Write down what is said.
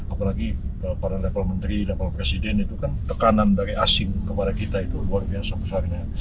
apalagi pada level menteri level presiden itu kan tekanan dari asing kepada kita itu luar biasa besarnya